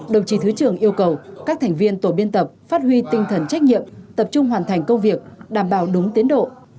đồng chí thứ trưởng yêu cầu các thành viên tổ biên tập phát huy tinh thần trách nhiệm tập trung hoàn thành công việc đảm bảo đúng tiến độ